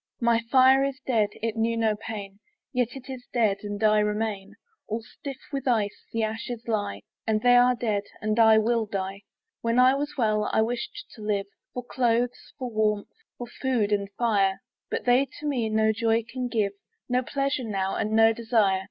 My fire is dead: it knew no pain; Yet is it dead, and I remain. All stiff with ice the ashes lie; And they are dead, and I will die. When I was well, I wished to live, For clothes, for warmth, for food, and fire; But they to me no joy can give, No pleasure now, and no desire.